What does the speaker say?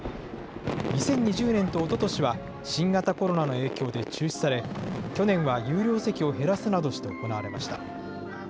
２０２０年とおととしは、新型コロナの影響で中止され、去年は有料席を減らすなどして行われました。